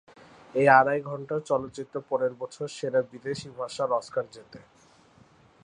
এই আড়াই ঘণ্টার চলচ্চিত্র পরের বছর সেরা বিদেশী ভাষার অস্কার জেতে।